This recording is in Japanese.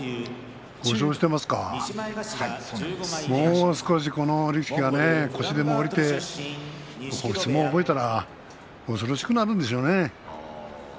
５勝していますがもう少しこの力士は腰でも下りて相撲を覚えたら恐ろしくなるんでしょうね。